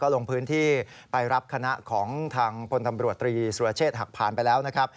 ลงพื้นที่ไปรับคณะของทางพลตำรวจตรีสุรเชษฐ์หักผ่านไปแล้วนะครับ